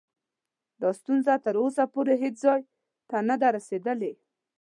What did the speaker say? دا ستونزه تر اوسه پورې هیڅ ځای ته نه ده رسېدلې.